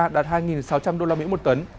đạt hai sáu trăm linh usd một tấn